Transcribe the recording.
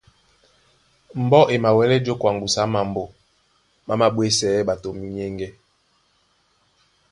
Mbɔ́ e mawɛlɛ́ jǒkwa ŋgusu á mambo má māɓwésɛɛ́ ɓato munyɛŋgɛ.